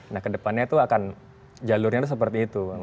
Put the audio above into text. nah ke depannya itu akan jalurnya tuh seperti itu